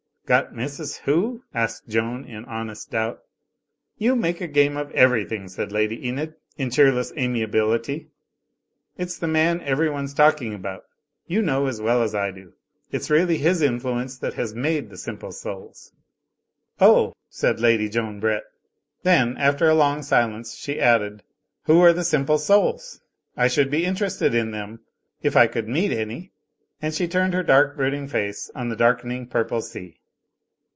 "Got Mrs. Who?" asked Joan, in honest doubt. 'Tfou make game of everything," said Lady Enid, in cheerless amiability. "It's the man everyone's talk ing about — you know as well as I do. It's really his influence that has made the Simple Souls." "Oh!" said Lady Joan Brett. Then after a long silence, she added: "Who are the Simple Souls? I should be interested in them, if I could meet any." And she turned her dark, brooding face on the darkening purple sea.